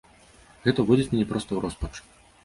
Гэта ўводзіць мяне проста ў роспач.